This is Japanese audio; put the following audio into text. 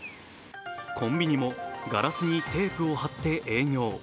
コンビニもガラスにテープを貼って営業。